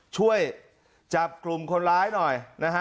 ช่วยจับกลุ่มคนร้ายหน่อยนะฮะ